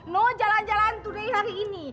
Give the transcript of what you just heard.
no jalan jalan today hari ini